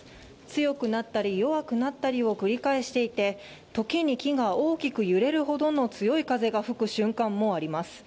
強くなったり、弱くなったりを繰り返していて、時に木が大きく揺れるほどの強い風が吹く瞬間もあります。